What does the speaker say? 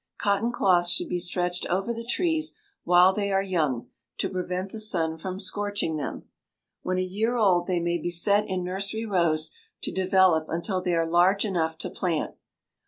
Cotton cloth should be stretched over the trees while they are young, to prevent the sun from scorching them. When a year old they may be set in nursery rows to develop until they are large enough to plant.